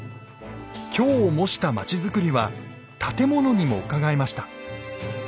京を模した町づくりは建物にもうかがえました。